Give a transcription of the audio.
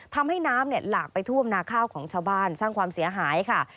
ทำให้น้ำหลากไปท่วมนาข้าวของชาวบ้านสร้างความเสียหายค่ะ